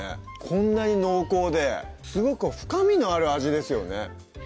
こんなに濃厚ですごく深みのある味ですよね